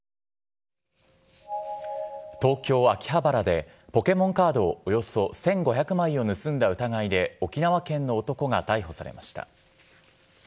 東京・秋葉原で、ポケモンカードおよそ１５００枚を盗んだ疑いで沖縄県の男が逮捕されました。